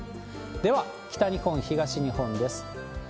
では、北日本、東日本です。